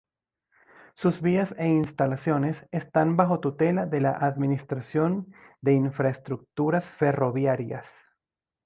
Sus vías e instalaciones están bajo tutela de la Administración de Infraestructuras Ferroviarias.